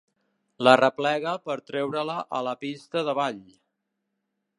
L'arreplega per treure-la a la pista de ball.